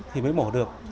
thì mới mổ được